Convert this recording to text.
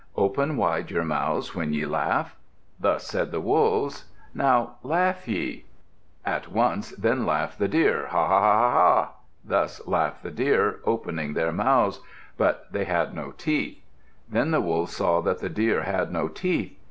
Open wide your mouths when ye laugh." Thus said the Wolves. "Now, laugh ye!" At once then laughed the Deer: "Ha, ha, ha, ha, ha!" Thus laughed the Deer, opening their mouths. But they had no teeth. Then the Wolves saw that the Deer had no teeth.